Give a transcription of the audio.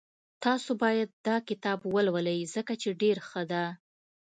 تاسو باید داکتاب ولولئ ځکه چی ډېر ښه ده